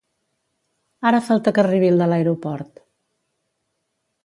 Ara falta que arribi el de l'aeroport